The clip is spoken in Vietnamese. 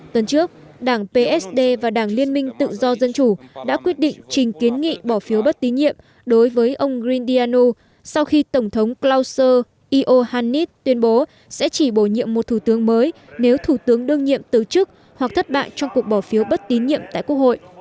tuần trước đảng psd và đảng liên minh tự do dân chủ đã quyết định trình kiến nghị bỏ phiếu bất tín nhiệm đối với ông green diau sau khi tổng thống klaus iohanis tuyên bố sẽ chỉ bổ nhiệm một thủ tướng mới nếu thủ tướng đương nhiệm từ chức hoặc thất bại trong cuộc bỏ phiếu bất tín nhiệm tại quốc hội